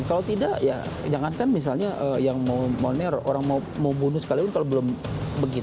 kalau tidak ya jangankan misalnya orang mau bunuh sekali pun kalau belum begitu